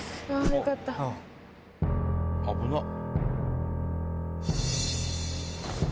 危なっ。